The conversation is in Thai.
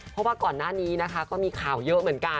เพราะว่าก่อนหน้านี้นะคะก็มีข่าวเยอะเหมือนกัน